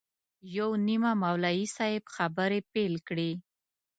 یو نیمه مولوي صاحب خبرې پیل کړې.